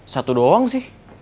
satu doang sih